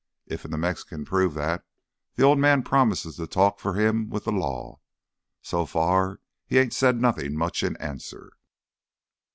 Iffen th' Mex can prove that, th' Old Man promises to talk for him with th' law. So far he ain't said nothin' much in answer."